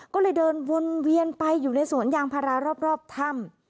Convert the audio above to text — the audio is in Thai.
ก็เลยเดินวนเวียนไปอยู่ในสวนยางพารารอบถ้ำ